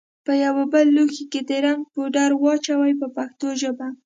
په یوه بېل لوښي کې د رنګ پوډر واچوئ په پښتو ژبه.